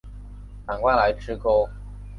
赶快来吃钩